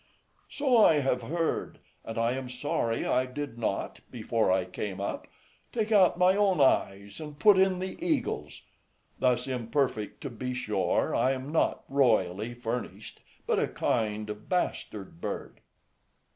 "So I have heard, and I am sorry I did not, before I came up, take out my own eyes and put in the eagle's; thus imperfect, to be sure, I am not royally furnished, but a kind of bastard bird."